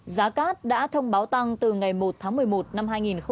giá cát đã thông báo tăng từ ngày một tháng một mươi một năm hai nghìn một mươi chín